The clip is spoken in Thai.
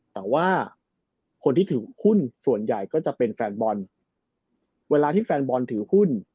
แต่ว่าคนที่ถือหุ้นส่วนใหญ่ก็จะเป็นแฟนบอลเวลาที่แฟนบอลถือหุ้น